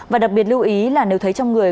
và đặc biệt lưu ý là nếu thấy trong người